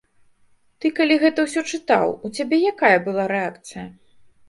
Ты калі гэта ўсё чытаў, у цябе якая была рэакцыя?